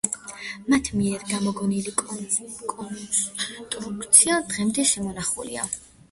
მათ მიერ გამოგონილი კონსტრუქცია დღემდე შემონახულია.